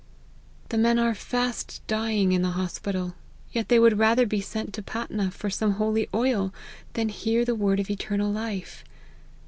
" The men are fast dying in the hospital, yet they would rather be sent to Patna for some holy oil, than hear the word of eternal life.